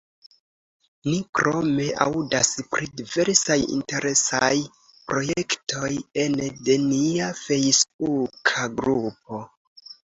Ni krome aŭdas pri diversaj interesaj projektoj ene de nia fejsbuka grupo.